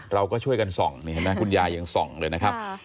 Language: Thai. เราก็ช่วยกันส่องคุณยายยังส่องเลยนะครับ